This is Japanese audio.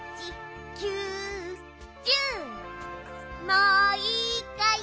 もういいかい？